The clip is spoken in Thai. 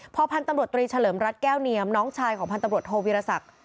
พอพันธุ์ตำรวจตรีเฉลิมรัฐแก้วเนียมน้องชายของพันธบรวจโทวิรสัก